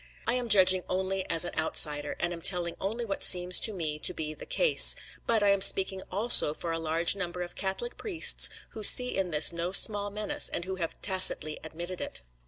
I am judging only as an outsider and am telling only what seems to me to be the case; but I am speaking also for a large number of Catholic priests who see in this no small menace and who have tacitly admitted it.